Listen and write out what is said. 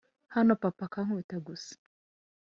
naho papa akankubita gusa